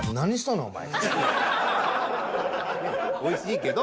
おいしいけど。